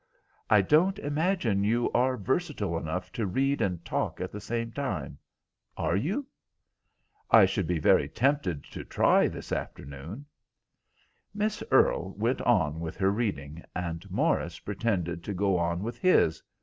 "I don't imagine you are versatile enough to read and talk at the same time. Are you?" "I should be very tempted to try it this afternoon." Miss Earle went on with her reading, and Morris pretended to go on with his.